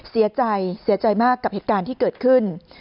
เสียใจเสียใจมากกับเหตุการณ์ที่เกิดขึ้น